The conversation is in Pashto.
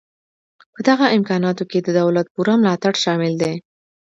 په دغه امکاناتو کې د دولت پوره ملاتړ شامل دی